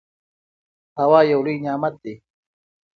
هوا یو لوی نعمت دی.